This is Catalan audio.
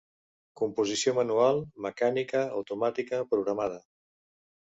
Composició manual, mecànica, automàtica, programada.